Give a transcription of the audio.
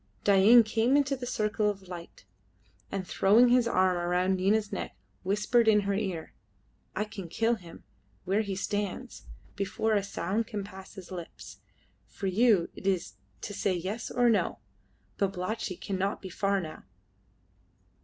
Dain came into the circle of light, and, throwing his arm around Nina's neck, whispered in her ear "I can kill him where he stands, before a sound can pass his lips. For you it is to say yes or no. Babalatchi cannot be far now."